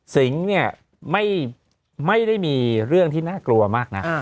สิงห์เนี่ยไม่ได้มีเรื่องที่น่ากลัวมากนะ